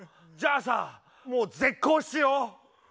じゃあさもう絶交しよう。